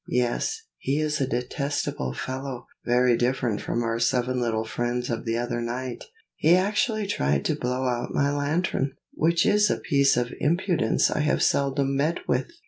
Yes, he is a detestable fellow, very different from our seven little friends of the other night. He actually tried to blow out my lantern, which is a piece of impudence I have seldom met with.